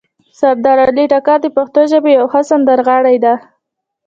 سردار علي ټکر د پښتو ژبې یو ښه سندرغاړی ده